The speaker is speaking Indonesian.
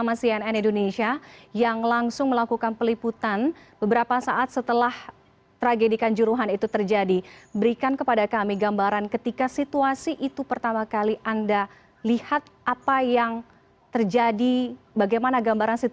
waktu itu saya memang melakukan peliputan untuk pengamanan pertandingan waktu itu